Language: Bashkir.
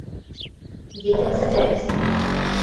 Етенсе дәрес